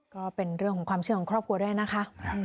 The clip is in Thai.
ก็เป็นเรื่องของความเชื่อของครอบครัวด้วยนะคะ